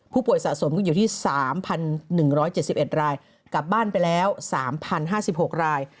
สะสมก็อยู่ที่๓๑๗๑รายกลับบ้านไปแล้ว๓๐๕๖ราย